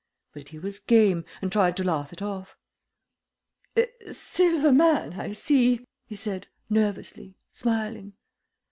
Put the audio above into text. But he was game, and tried to laugh it off. "Silver man, I see," he said, nervously, smiling.